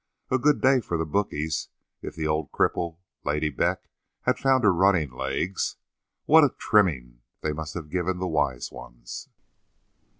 A good day for the bookies if that old cripple, Lady Beck, had found her running legs. What a trimming they must have given the wise ones!